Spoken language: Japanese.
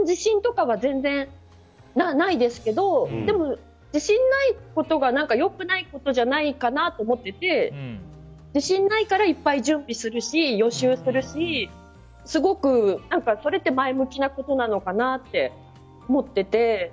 基本自信とかは全然ないですけど自信ないことが良くないことじゃないかなと思ってて自信ないからいっぱい準備するし、予習するしそれって前向きなことなのかなって思ってて。